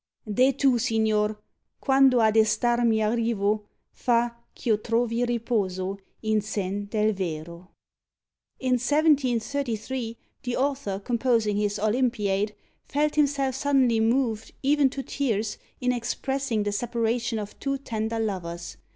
Deh tu, Signor, quando a destarmi arrivo Fa, ch'io trovi riposo in sen del VERO. _In 1733, the Author, composing his Olimpiade, felt himself suddenly moved, even to tears, in expressing the separation of two tender lovers.